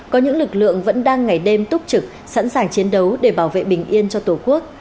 có những lực lượng vẫn đang ngày đêm túc trực sẵn sàng chiến đấu để bảo vệ bình yên cho tổ quốc